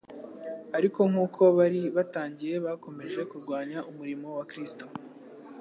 Ariko nk'uko bari batangiye, bakomeje kurwanya umurimo wa Kristo